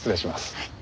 はい。